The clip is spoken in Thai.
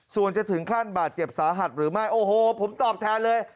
ส่วนจะถึงขั้นบาดเจ็บสาหัสหรือไม่โอ้โหผมตอบแทนเลย